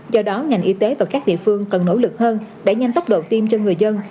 do đó ngành y tế và các địa phương cần nỗ lực hơn để nhanh tốc độ tiêm cho người dân